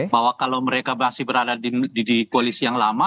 bahwa kalau mereka masih berada di koalisi yang lama